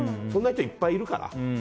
そんな人、いっぱいいるから。